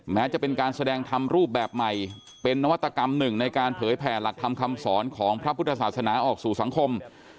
แม้จะเป็นการแสดงธรรมรูปแบบใหม่เป็นนวัตกรรมหนึ่งในการเผยแผ่หลักธรรมคำสอนของพระพุทธศาสนาออกสู่สังคม